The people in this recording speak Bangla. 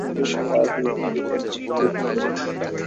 তিনি ছিলেন কালিচরণ বসুর ভ্রাতৃবধূ।